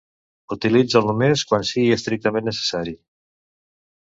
Utilitza'l només quan sigui estrictament necessari.